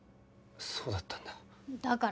そうだったんだ。